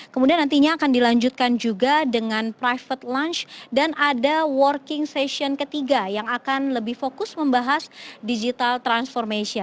kemudian nantinya akan dilanjutkan juga dengan private lunch dan ada working session ketiga yang akan lebih fokus membahas digital transformation